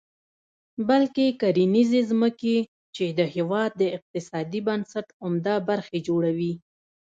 بلکې کرنیزې ځمکې، چې د هېواد د اقتصادي بنسټ عمده برخه جوړوي.